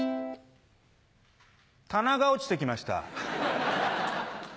棚が落ちてきました。